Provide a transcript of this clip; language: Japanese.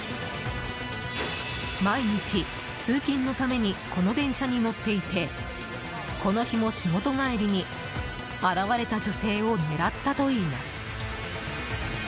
毎日、通勤のためにこの電車に乗っていてこの日も仕事帰りに現れた女性を狙ったといいます。